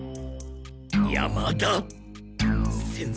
山田先生。